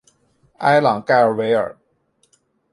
埃朗盖尔维尔。